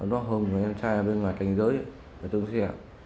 nó hồn với em trai ở bên ngoài cành giới tướng xe